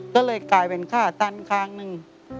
ก็เลยกลายเป็นขาตันข้างหนึ่ง